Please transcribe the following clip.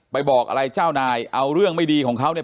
บอกอะไรเจ้านายเอาเรื่องไม่ดีของเขาเนี่ย